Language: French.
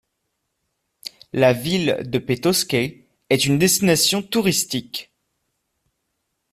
La ville de Petoskey est une destination touristique.